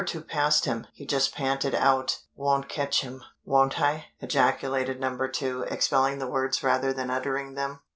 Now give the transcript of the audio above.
2 passed him, he just panted out "Won't catch him." "Won't I!" ejaculated No 2, expelling the words rather than uttering them.